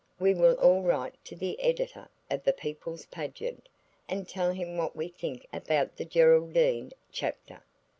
We will all write to the editor of the People's Pageant and tell him what we think about the Geraldine chapter.